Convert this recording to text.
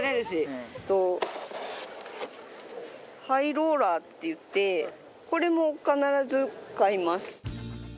ハイローラーっていってこれも必ず買います。